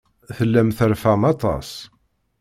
Tellam terfam aṭas.